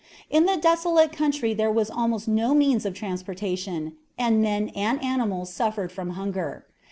In the desolate country there was almost no means of transportation, and men and animals suffered from hunger.